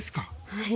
はい。